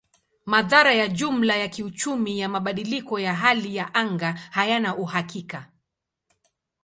Madhara ya jumla ya kiuchumi ya mabadiliko ya hali ya anga hayana uhakika.